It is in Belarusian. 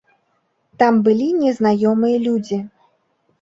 Там былі незнаёмыя людзі.